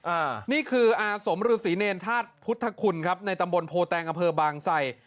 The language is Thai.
อ่านี่คืออาสมฤษีเนรธาตุพุทธคุณครับในตำบลโพแตงอำเภอบางไส